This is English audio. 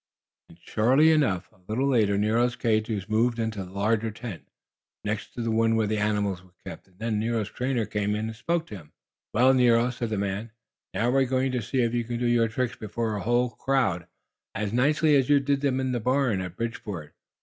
And, surely enough, a little later Nero's cage was moved into the larger tent, next to the one where the animals were kept. And then Nero's trainer came and spoke to him. "Well, Nero," said the man, "now we're going to see if you can do your tricks before a whole crowd, as nicely as you did them in the barn at Bridgeport.